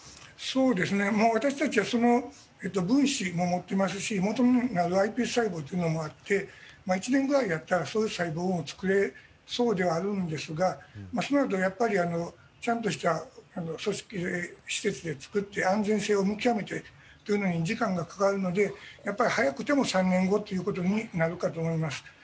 私たちは分子も持っていますしもとになるｉＰＳ細胞もあって１年ぐらいやればそういう細胞も作れそうではあるんですがしばらくはちゃんとした施設で作って安全性を見極めてというのに時間がかかるのでやっぱり早くても３年後ということになるかと思います。